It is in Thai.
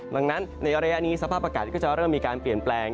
ดังนั้นในระยะนี้สภาพอากาศก็จะเริ่มมีการเปลี่ยนแปลง